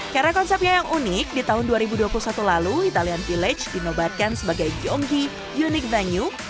karena konsepnya yang unik di tahun dua ribu dua puluh satu lalu italian village dinobatkan sebagai gionghi unique venue